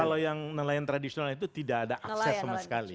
kalau yang nelayan tradisional itu tidak ada akses sama sekali